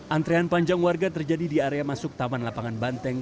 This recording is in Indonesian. antrean panjang warga terjadi di area masuk taman lapangan banteng